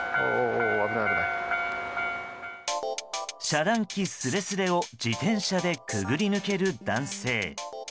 遮断機すれすれを自転車で潜り抜ける男性。